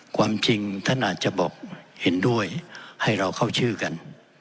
ความจริงท่านอาจจะบอกเห็นด้วยให้เราเข้าชื่อกัน